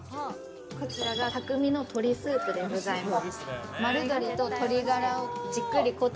こちらが匠の鶏スープでございます。